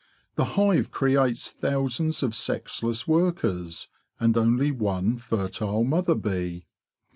The hive creates thousands of sexless workers and only one fertile mother bee.